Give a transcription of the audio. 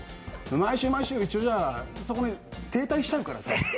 毎週毎週、一緒じゃ、停滞しちゃうからさ。